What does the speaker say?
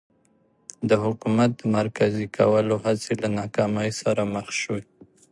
د حکومت د مرکزي کولو هڅې له ناکامۍ سره مخ شوې.